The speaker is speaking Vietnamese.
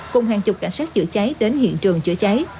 cùng hàng chục cảnh sát chữa cháy đến hiện trường chữa cháy